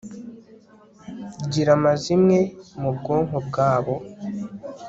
Gira amazimwe mu bwonko bwabo